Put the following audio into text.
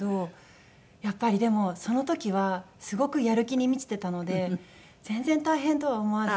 やっぱりでもその時はすごくやる気に満ちてたので全然大変とは思わず。